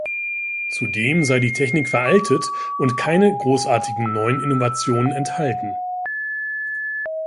Zudem sei die Technik veraltet und keine großartigen neuen Innovationen enthalten.